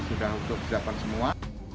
untuk menyiapkan semua